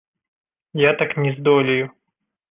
Я так не здолею.